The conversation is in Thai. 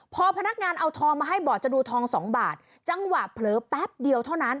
พอพนักงานเอาทองมาให้บอกจะดูทองสองบาทจังหวะเผลอแป๊บเดียวเท่านั้น